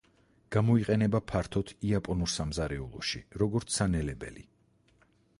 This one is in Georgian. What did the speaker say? გამოიყენება ფართოდ იაპონურ სამზარეულოში, როგორც სანელებელი.